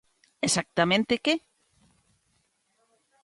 ¿Exactamente que?